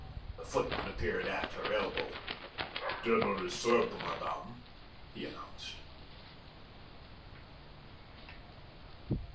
The footman appeared at her elbow. "Dinner is served, madame," he announced.